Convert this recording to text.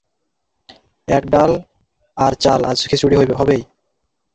এক ডাল আর চাল–আজ খিচুড়ি হইবে।